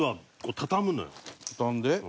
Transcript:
たたんで？